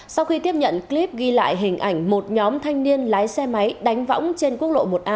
sau khi tiếp nhận clip ghi lại hình ảnh một nhóm thanh niên lái xe máy đánh võng trên quốc lộ một a